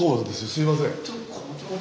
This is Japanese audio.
すいません。